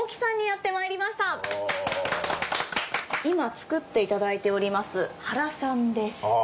今つくっていただいております原さんです。